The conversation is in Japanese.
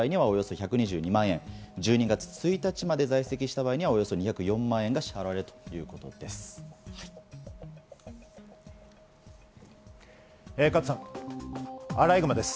１２月１日まで在籍した場合はおよそ２０４万円が支払われるということです。